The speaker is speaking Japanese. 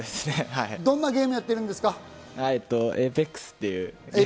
どんなゲームやってるんですか？